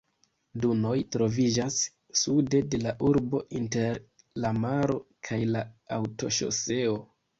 Dunoj troviĝas sude de la urbo, inter la maro kaj la aŭtoŝoseo.